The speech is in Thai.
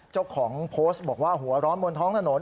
เจ้าของโพสต์บอกว่าหัวร้อนบนท้องถนน